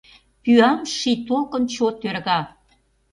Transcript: Пӱям ший толкын чот ӧрга.